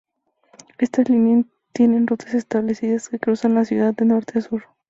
Estas líneas tienen rutas establecidas que cruzan la ciudad de norte a sur.